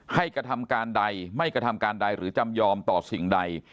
กระทำการใดไม่กระทำการใดหรือจำยอมต่อสิ่งใด